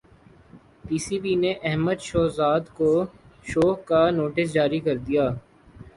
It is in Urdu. پی سی بی نے احمد شہزاد کو شوکاز نوٹس جاری کردیا